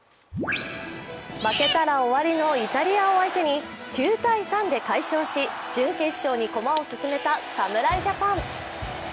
負けたら終わりのイタリアを相手に９−３で解消し準決勝に駒を進めた侍ジャパン。